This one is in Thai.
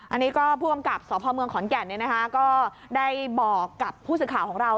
อันนี้ก็ผู้กำกับสพเมืองขอนแก่นก็ได้บอกกับผู้สื่อข่าวของเรา